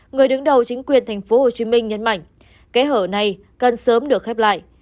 người đứng đầu chính quyền tp hcm nhấn mạnh kẽ hở này cần sớm được khép lại